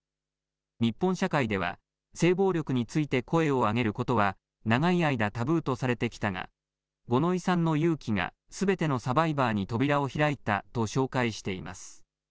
日本社会では、性暴力について声を上げることは、長い間、タブーとされてきたが、五ノ井さんの勇気がすべてのサバイバーに扉を開いたと紹介しています。